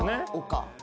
岡。